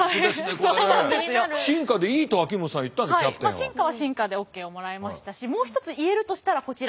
進化は進化でＯＫをもらいましたしもう一つ言えるとしたらこちら。